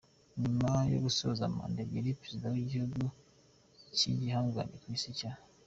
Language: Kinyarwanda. Nyuma yo gusoza manda ebyiri ari Perezida w'igihugu cy'igihangange ku isi cya.